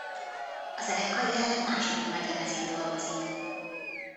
A zenekar jelenleg második nagylemezén dolgozik.